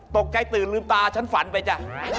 ตื่นลืมตาฉันฝันไปจ้ะ